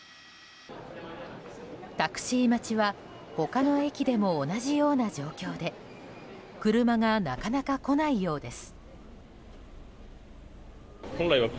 タクシー待ちは他の駅でも同じような状況で車がなかなか来ないようです。